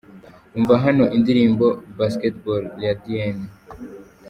Umva hano indirimbo Basketball ya Diyen.